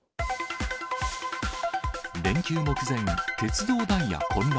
連休目前、鉄道ダイヤ混乱。